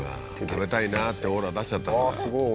食べたいなってオーラ出しちゃったんじゃない？